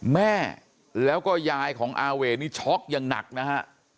แม่แล้วก็ยายของอาเวนี่ช็อกอย่างหนักนะฮะ